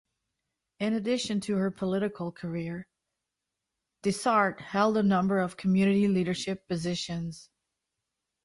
In addition to her political career, Dysart held a number of community leadership positions.